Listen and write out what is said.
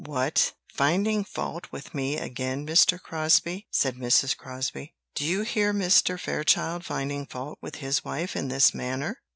"What! finding fault with me again, Mr. Crosbie?" said Mrs. Crosbie. "Do you hear Mr. Fairchild finding fault with his wife in this manner?"